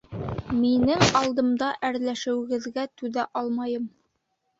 Минең алдымда әрләшеүегеҙгә түҙә алмайым.